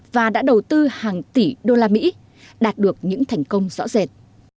và đã đầu tư hàng tỷ đô la mỹ đạt được những thành công rõ rệt